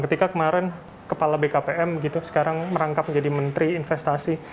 ketika kemarin kepala bkpm gitu sekarang merangkap menjadi menteri investasi